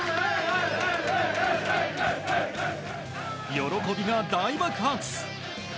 喜びが大爆発！